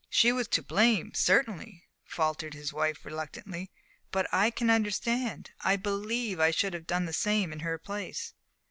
"She was to blame, certainly," faltered his wife, reluctantly, "but I can understand I believe I should have done the same in her place."